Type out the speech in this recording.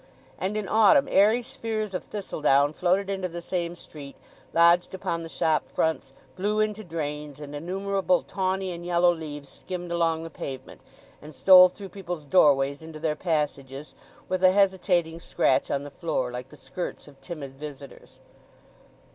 And in autumn airy spheres of thistledown floated into the same street, lodged upon the shop fronts, blew into drains, and innumerable tawny and yellow leaves skimmed along the pavement, and stole through people's doorways into their passages with a hesitating scratch on the floor, like the skirts of timid visitors.